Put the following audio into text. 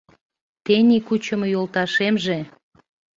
Тений кучымо йолташемже